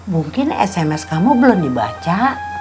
mungkin sms kamu belum dibaca